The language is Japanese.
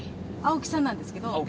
青木さんなんですけど。